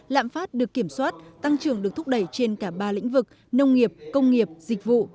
lạm phát được kiểm soát tăng trưởng được thúc đẩy trên cả ba lĩnh vực nông nghiệp công nghiệp dịch vụ